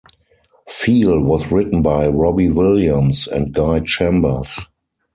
"Feel" was written by Robbie Williams and Guy Chambers.